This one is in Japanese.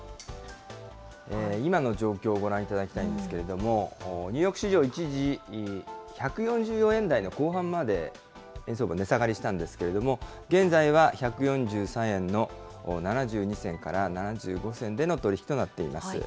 今の状況をご覧いただきたいんですけれども、ニューヨーク市場、一時１４４円台の後半まで円相場、値下がりしたんですけれども、現在は１４３円の７２銭から７５銭での取り引きとなっています。